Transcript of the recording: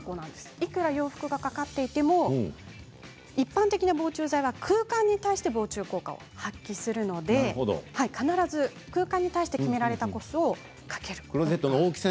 いくら洋服が掛かっていても一般的な防虫剤は空間に対して防虫効果を発揮するので必ず空間に対して決められた個数を掛けてください。